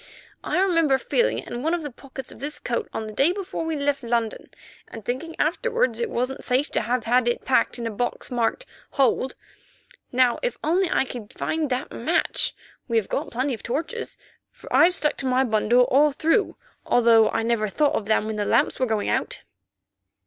I remember feeling it in one of the pockets of this coat on the day before we left London, and thinking afterwards it wasn't safe to have had it packed in a box marked 'Hold.' Now if only I could find that match, we have got plenty of torches, for I've stuck to my bundle all through, although I never thought of them when the lamps were going out."